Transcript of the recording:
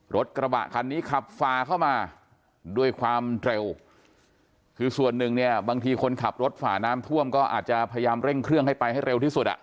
รถกระบะคันนี้ขับฝ่าเข้ามาด้วยความเร็วคือส่วนหนึ่งเนี่ยบางทีคนขับรถฝ่าน้ำท่วมก็อาจจะพยายามเร่งเครื่องให้ไปให้เร็วที่สุดอ่ะ